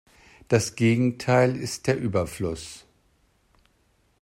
Das Gegenteil ist der Überfluss.